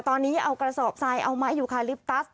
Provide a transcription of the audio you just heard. ตอนนี้เอากระสอบทรายเอาไม้ยูคาลิปตัส